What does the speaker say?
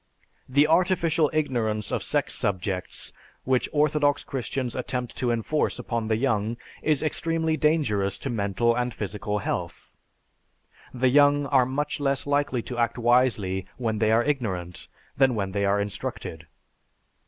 The artificial ignorance of sex subjects which orthodox Christians attempt to enforce upon the young is extremely dangerous to mental and physical health. The young are much less likely to act wisely when they are ignorant, than when they are instructed.